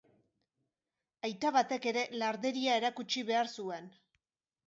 Aita batek ere larderia erakutsi behar zuen.